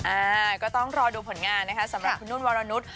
อ่าก็ต้องรอดูผลงานนะคะสำหรับคุณนุ่นวรนุษย์